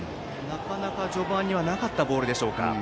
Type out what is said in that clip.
なかなか序盤にはなかったボールでしょうか。